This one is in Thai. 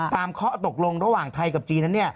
ตามข้อตกลงระหว่างไทยกับจีน